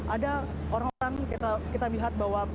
ada orang orang kita lihat bahwa